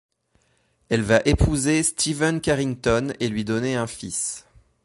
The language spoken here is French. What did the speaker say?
Elle va épouser Steven Carrington et lui donner un fils.